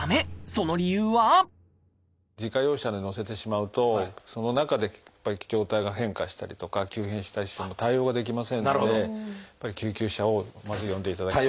その理由は自家用車に乗せてしまうとその中で状態が変化したりとか急変したりしても対応ができませんのでやっぱり救急車をまず呼んでいただきたい。